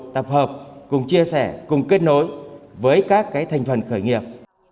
tập hợp cùng chia sẻ cùng kết nối với các thành phần khởi nghiệp